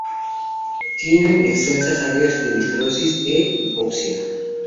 Tienen extensas áreas de necrosis e hipoxia.